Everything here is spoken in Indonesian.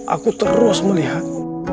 aku terus melihat